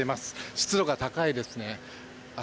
湿度が高いですね。